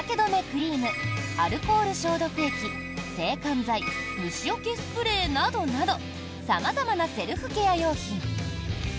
クリームアルコール消毒液、制汗剤虫よけスプレーなどなど様々なセルフケア用品。